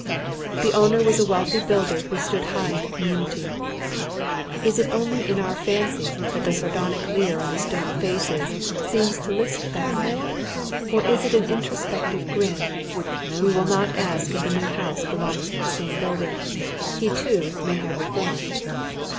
The owner was a wealthy builder who *' stood high in the community." Is it only in our fancy that the sardonic leer on the stone faces oyGoogle 42 now THU OTHUK HALF LIVBd. Bceiiis to list tliat way ? Or is it an introspective grin ; We will iiot ask if tlie new house belongs to tlie same builder. He too may have I'eformed.